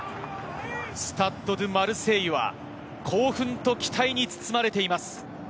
スタッド・ド・マルセイユは興奮と期待に包まれています。